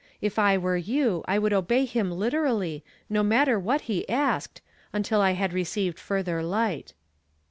If I were you, I would obey him literally, no matter what he asked, until I had received further light."